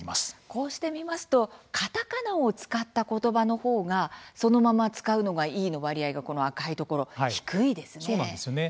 こうして見ますとカタカナを使った言葉の方がそのまま使うのがいいの割合がこの赤いところ、低いですね。